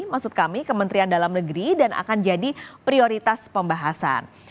maksud kami kementerian dalam negeri dan akan jadi prioritas pembahasan